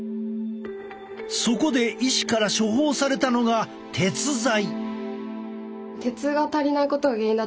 そこで医師から処方されたのが鉄剤。